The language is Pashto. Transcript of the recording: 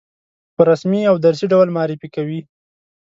په رسمي او درسي ډول معرفي کوي.